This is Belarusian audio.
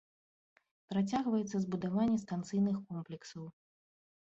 Працягваецца збудаванне станцыйных комплексаў.